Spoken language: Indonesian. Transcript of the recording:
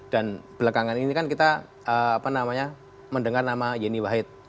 dan belakangan ini kan kita mendengar nama yeni wahid